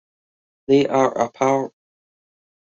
They are apart.